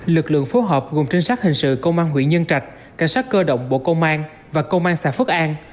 lực lượng phối hợp gồm trinh sát hình sự công an huyện nhân trạch cảnh sát cơ động bộ công an và công an xã phước an